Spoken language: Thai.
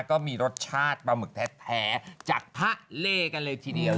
ก็มีรสชาติปลาหมึกแท้จากทะเลกันเลยทีเดียว